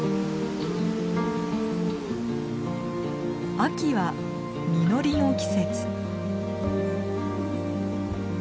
秋は実りの季節。